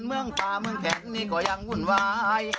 เมืองป่าเมืองแข็งนี่ก็ยังวุ่นวาย